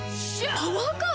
パワーカーブ⁉